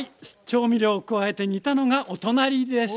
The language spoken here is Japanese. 調味料加えて煮たのがお隣です。